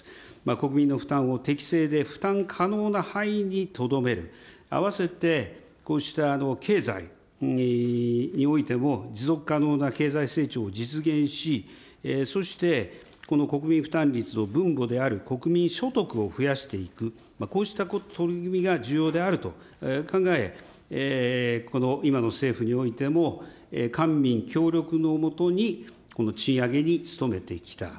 国民の負担を適正で負担可能な範囲にとどめる、併せてこうした経済においても持続可能な経済成長を実現し、そして国民負担率の分母である国民所得を増やしていく、こうした取り組みが重要であると考え、今の政府においても、官民協力の下に賃上げに努めてきた。